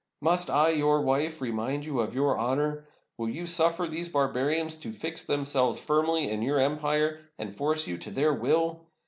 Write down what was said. "Must I, your wife, remind you of your honor? Will you suffer these barbarians to fix themselves firmly in your em pire, and force you to their will